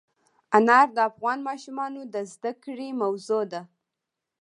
انار د افغان ماشومانو د زده کړې موضوع ده.